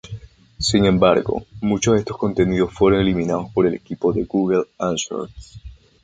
Sin embargo, muchos de estos contenidos fueron eliminados por el equipo de Google Answers.